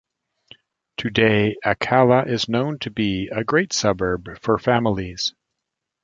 Today, Akalla is known to be a great suburb for families.